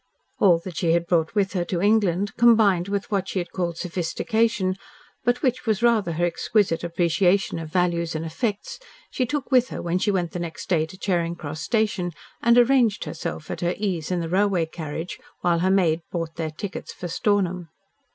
All that she had brought with her to England, combined with what she had called "sophistication," but which was rather her exquisite appreciation of values and effects, she took with her when she went the next day to Charing Cross Station and arranged herself at her ease in the railway carriage, while her maid bought their tickets for Stornham.